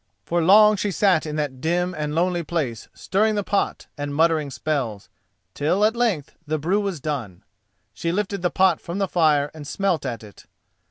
For long she sat in that dim and lonely place stirring the pot and muttering spells, till at length the brew was done. She lifted the pot from the fire and smelt at it.